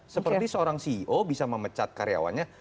seperti seorang ceo bisa memecat karyawannya